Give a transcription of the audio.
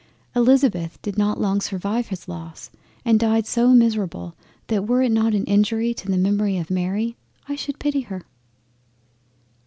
Elizabeth did not long survive his loss, and died so miserable that were it not an injury to the memory of Mary I should pity her.